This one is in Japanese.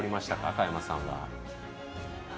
佳山さんは。